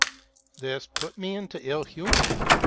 This put me into ill hu mor.